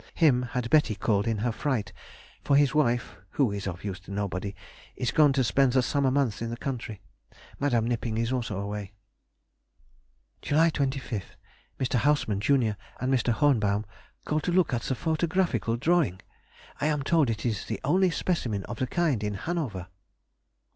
Him had Betty called in her fright, for his wife (who is of use to nobody) is gone to spend the summer months in the country. Mde. Knipping also is away. [Sidenote: 1839. End of Day Book.] July 25th.—Mr. Hausmann, junior, and Mr. Hohenbaum called to look at the photographical drawing. I am told it is the only specimen of the kind in Hanover.